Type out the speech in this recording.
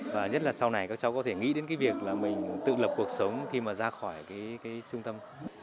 và nhất là sau này các cháu có thể nghĩ đến việc mình tự lập cuộc sống khi ra khỏi trung tâm